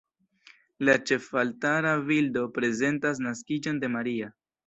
La ĉefaltara bildo prezentas Naskiĝon de Maria.